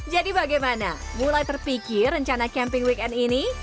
jadi bagaimana mulai terpikir rencana camping weekend ini